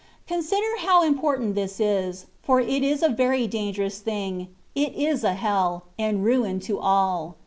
Consider how important this is ; for it is a very dangerous thing — it is a hell — and ruin to all.